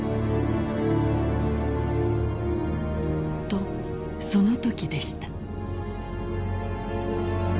［とそのときでした］